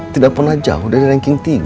tidak pernah jauh dari ranking tiga